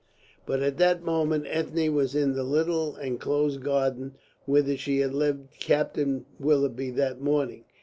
But at that moment Ethne was in the little enclosed garden whither she had led Captain Willoughby that morning.